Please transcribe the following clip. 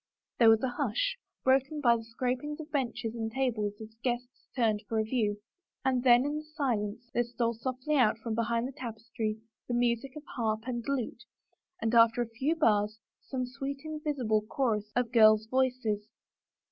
There was a hush, broken by the scrapings of benches and tables as the guests turned for a view, and then in the silence there stole softy out from behind the tapestry the music of harp and lute, and after a few bars some sweet invis ible chorus of girls' voices.